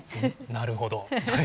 なるほど。